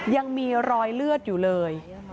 ยังมีรอยเลือดอยู่เลย